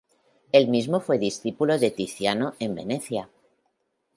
Él mismo fue discípulo de Tiziano en Venecia.